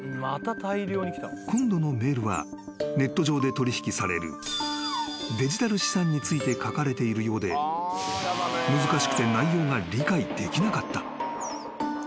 ［今度のメールはネット上で取引されるデジタル資産について書かれているようで難しくて内容が理解できなかった］